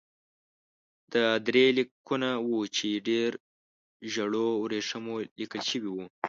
دا درې لیکونه وو چې پر ژړو ورېښمو لیکل شوي وو.